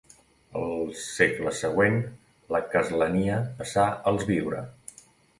Al segle següent la castlania passà als Biure.